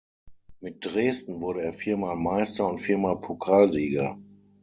Mit Dresden wurde er viermal Meister und viermal Pokalsieger.